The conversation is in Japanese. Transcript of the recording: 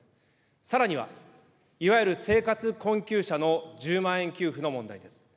さらには、いわゆる生活困窮者の１０万円給付の問題です。